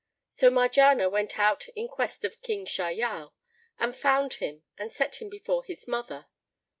So Marjanah went out in quest of King Shahyal and found him and set him before his mother.